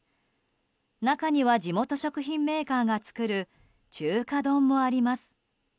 中には、地元食品メーカーが作る中華丼もあります。